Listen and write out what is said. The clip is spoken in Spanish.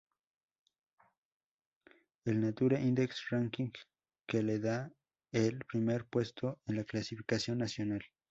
El Nature index ranking que le da el primer puesto en la clasificación nacional.